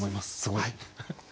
すごい。